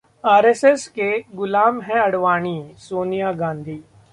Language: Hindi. आरएसएस के गुलाम हैं आडवाणी: सोनिया गांधी